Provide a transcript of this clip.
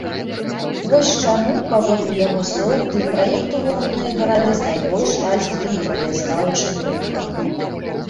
Вось чаму, паводле яго слоў, для праекту выбраныя гарады з найбольш развітым краязнаўчым рухам.